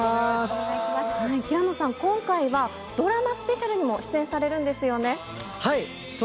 平野さん、今回はドラマスペシャルにも出演されるんですよね。